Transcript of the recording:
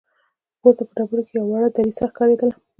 پورته په ډبرو کې يوه وړه دريڅه ښکارېدله.